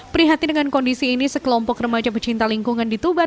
prihatin dengan kondisi ini sekelompok remaja pecinta lingkungan di tuban